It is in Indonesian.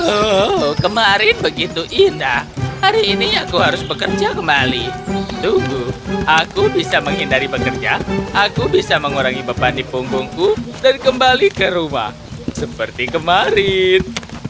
oh kemarin begitu indah hari ini aku harus bekerja kembali tunggu aku bisa menghindari bekerja aku bisa mengurangi beban di punggungku dan kembali ke rumah seperti kemarin